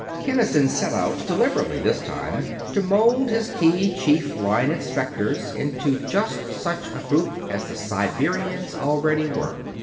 Kinnison set out, deliberately this time, to mold his key Chief Line Inspectors into just such a group as the Siberians already were.